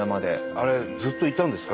あれずっといたんですか？